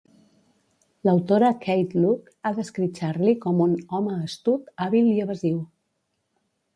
L'autora Kate Lock ha descrit Charlie com un "home astut, hàbil i evasiu".